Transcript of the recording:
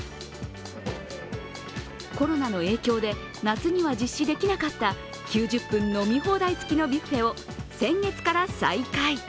コロナの影響で夏には実施できなかった９０分飲み放題つきのビュッフェを先月から再開。